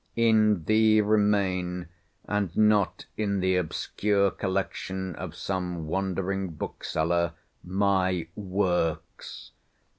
In thee remain, and not in the obscure collection of some wandering bookseller, my "works!"